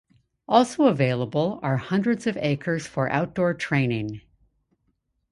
Also available are hundreds of acres for outdoor training.